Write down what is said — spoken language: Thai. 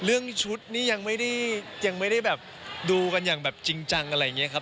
เรื่องชุดนี้ยังไม่ได้ดูกันอย่างจริงจังอะไรอย่างนี้ครับ